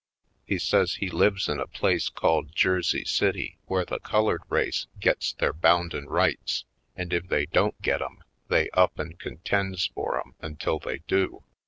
He says he lives in a place called Jersey City where the colored race gets their bounden rights and if they don't get 'em they up and contends for 'em until they do.